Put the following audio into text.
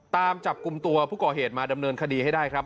ตามจับกลุ่มตัวผู้ก่อเหตุมาดำเนินคดีให้ได้ครับ